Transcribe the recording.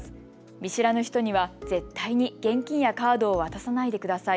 見知らぬ人には絶対に現金やカードを渡さないでください。